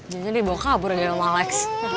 jangan dibawa kabur ya sama alex